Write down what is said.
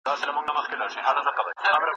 د انګریزي کلمې په مانا کي سره نږدې دي.